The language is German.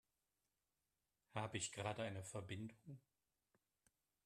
Habe ich gerade eine Verbindung?